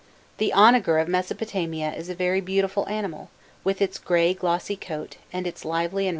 The onager of Mesopotamia is a very beautiful animal, with its grey glossy coat, and its lively and rapid action.